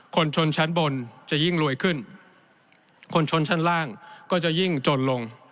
คนชนชั้นบนจะยิ่งรวยขึ้นคนชนชั้นล่างก็จะยิ่งจนลง